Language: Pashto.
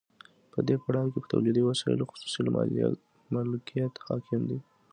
په دې پړاو کې په تولیدي وسایلو خصوصي مالکیت حاکم دی